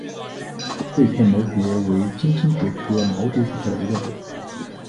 锐片毛蕨为金星蕨科毛蕨属下的一个种。